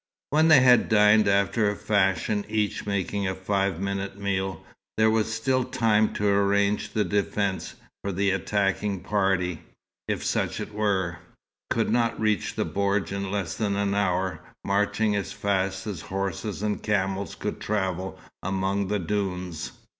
When they had dined after a fashion, each making a five minute meal, there was still time to arrange the defence, for the attacking party if such it were could not reach the bordj in less than an hour, marching as fast as horses and camels could travel among the dunes.